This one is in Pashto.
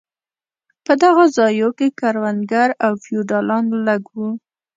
په دغو ځایو کې کروندګر او فیوډالان لږ وو.